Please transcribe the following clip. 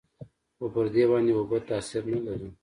خو پر دې باندې اوبه تاثير نه لري.